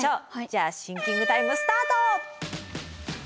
じゃあシンキングタイムスタート！